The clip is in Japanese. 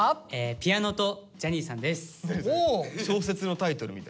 「ピアノとジャニーさん」。